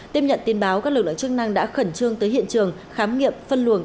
tiếp nhận tin báo các lực lượng chức năng đã khẩn trương tới hiện trường khám nghiệm phân luồng